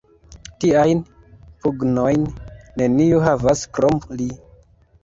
Tiajn pugnojn neniu havas, krom li!